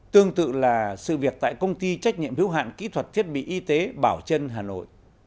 tương tự là sự việc tại công ty trách nhiệm hiếu hạn kỹ thuật thiết bị y tế bảo trân hà nội